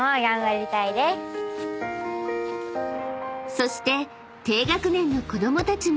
［そして低学年の子供たちも］